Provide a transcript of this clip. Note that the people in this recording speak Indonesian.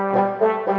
nih bolok ke dalam